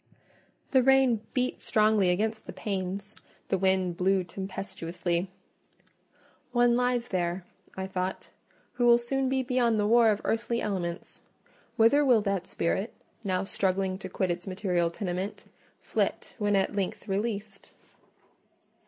The rain beat strongly against the panes, the wind blew tempestuously: "One lies there," I thought, "who will soon be beyond the war of earthly elements. Whither will that spirit—now struggling to quit its material tenement—flit when at length released?"